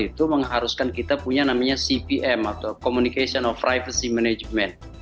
itu mengharuskan kita punya namanya cpm atau communication of privacy management